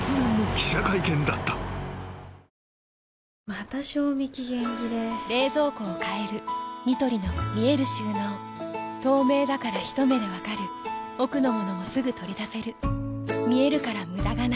また賞味期限切れ冷蔵庫を変えるニトリの見える収納透明だからひと目で分かる奥の物もすぐ取り出せる見えるから無駄がないよし。